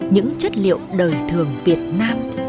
những chất liệu đời thường việt nam